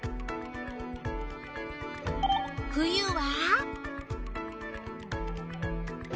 冬は？